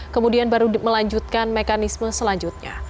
kemudian baru melanjutkan mekanisme selanjutnya